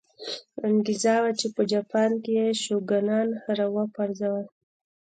انګېزه وه چې په جاپان کې یې شوګانان را وپرځول.